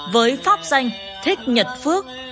với pháp danh thích nhật phước